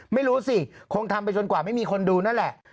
ไม่รู้สิคงทำไปจนกว่าไม่มีคนดูนั่นแหละ